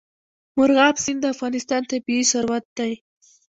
مورغاب سیند د افغانستان طبعي ثروت دی.